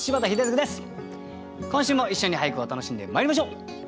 今週も一緒に俳句を楽しんでまいりましょう。